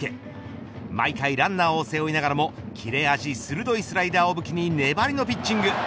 毎回ランナーを背負いながらも切れ味鋭いスライダーを武器に粘りのピッチング。